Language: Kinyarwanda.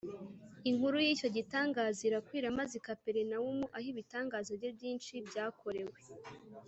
Inkuru y’icyo gitangaza irakwira; maze i Kaperinawumu aho ibitangaza bye byinshi byakorewe,